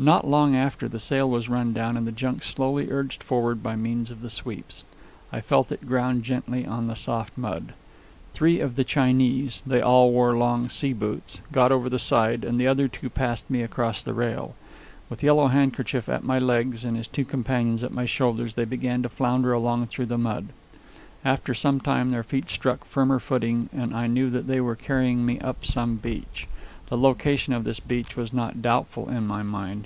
Not long after, the sail was run down and the junk slowly urged forward by means of the sweeps. I felt it ground gently on the soft mud. Three of the Chinese they all wore long sea boots got over the side, and the other two passed me across the rail. With Yellow Handkerchief at my legs and his two companions at my shoulders, they began to flounder along through the mud. After some time their feet struck firmer footing, and I knew they were carrying me up some beach. The location of this beach was not doubtful in my mind.